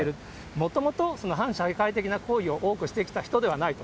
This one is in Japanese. もともと反社会的な行為を多くしてきた人ではないと。